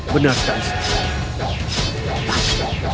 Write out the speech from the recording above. benarkah pak kang